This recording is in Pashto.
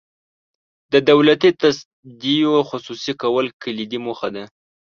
د دولتي تصدیو خصوصي کول کلیدي موخه ده.